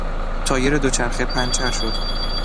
تایر دوچرخه پنچر شد.